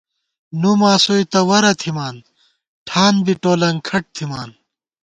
نُو ماسوئےتہ وَرہ تھِمان ٹھان بی ٹولَنگ کھٹ تھِمان